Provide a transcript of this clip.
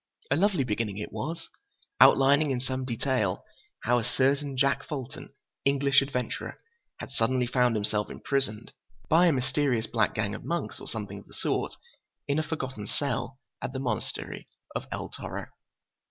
A lovely beginning it was, outlining in some detail how a certain Jack Fulton, English adventurer, had suddenly found himself imprisoned (by a mysterious black gang of monks, or something of the sort) in a forgotten cell at the monastery of El Toro.